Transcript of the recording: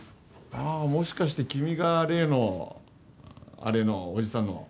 ああ、もしかして君が例のアレのおじさんの。